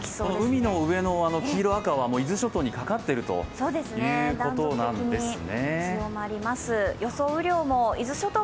海の上の黄色、赤は、伊豆諸島にかかっているということなんですね。